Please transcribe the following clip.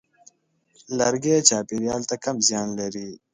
لرګی چاپېریال ته کم زیان لري.